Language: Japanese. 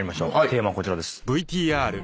テーマはこちらです。